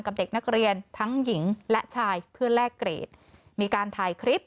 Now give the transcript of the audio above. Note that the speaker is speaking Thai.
เด็กนักเรียนทั้งหญิงและชายเพื่อแลกเกรดมีการถ่ายคลิป